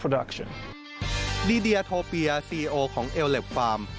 ดีเดียโทเปียเซีโอของเอโอร์แลบฟาร์ม